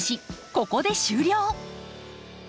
ここで終了。